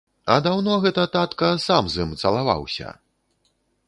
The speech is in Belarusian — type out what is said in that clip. А даўно гэта, татка, сам з ім цалаваўся?